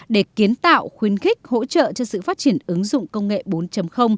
để kiến tạo khuyến khích hỗ trợ cho sự phát triển ứng dụng công nghệ bốn